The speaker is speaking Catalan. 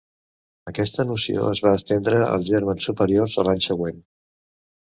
Aquesta noció es va estendre als gèrmens superiors a l'any següent.